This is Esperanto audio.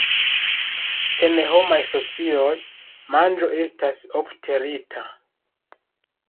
En homaj socioj, manĝo estas ofte rita.